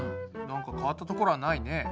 なんか変わったところはないね。